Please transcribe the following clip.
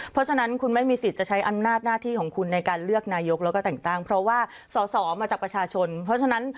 เพราะฉะนั้นคุณไม่มีสิทธิ์จะใช้อำนาจหน้าที่ของคุณในการเลือกนายกแล้วก็แต่งตั้งเพราะว่าสอสอมาจากประชาชนเพราะฉะนั้น